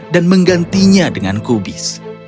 dan menggantinya dengan kubis